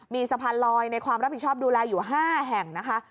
มีสะพานลอยในความรับผิดชอบดูแลอยู่๕แห่งนะคะ